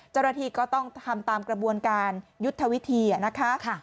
เจ้าหน้าที่ก็ต้องทำตามกระบวนการยุทธวิธีนะคะ